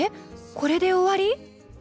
これで終わり？